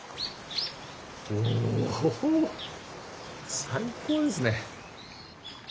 おお最高ですね。